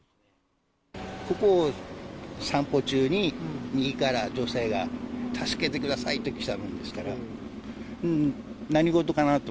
ここを散歩中に、右から女性が、助けてくださいってきたもんですから、何事かなと。